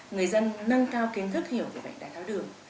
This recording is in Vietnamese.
người dân nâng cao kiến thức hiểu về bệnh đai thấu đường